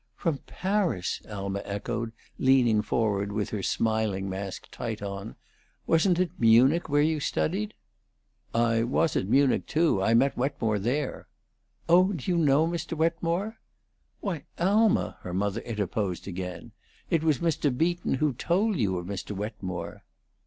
"From Paris!" Alma echoed, leaning forward, with her smiling mask tight on. "Wasn't it Munich where you studied?" "I was at Munich, too. I met Wetmore there." "Oh, do you know Mr. Wetmore?" "Why, Alma," her mother interposed again, "it was Mr. Beaton who told you of Mr. Wetmore."